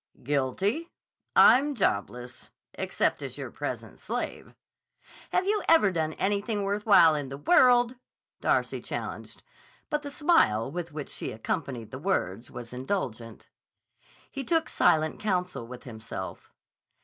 "Guilty! I'm jobless, except as your present slave." "Have you ever done anything worth while in the world?" Darcy challenged; but the smile with which she accompanied the words was indulgent. He took silent counsel with himself.